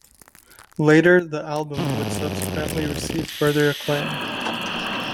Later, the album would subsequently receive further acclaim.